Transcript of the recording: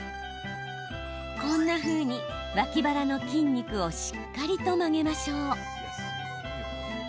こんなふうに脇腹の筋肉をしっかりと曲げましょう。